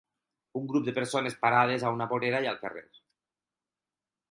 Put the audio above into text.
Un grup de persones parades a una vorera i al carrer.